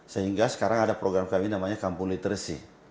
sehingga sekarang ada program kami namanya kampung literasi